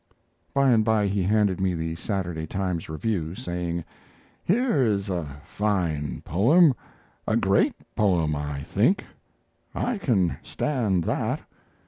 By and by he handed me the Saturday Times Review, saying: "Here is a fine poem, a great poem, I think. I can stand that."